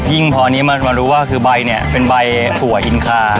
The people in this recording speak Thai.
พอนี้มารู้ว่าคือใบเนี่ยเป็นใบถั่วอินคา